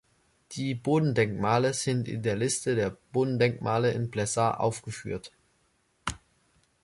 Die Bodendenkmale sind in der Liste der Bodendenkmale in Plessa aufgeführt.